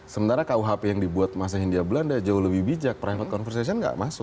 sementara kuhp yang dibuat masa hindia belanda jauh lebih bijak private conversation nggak masuk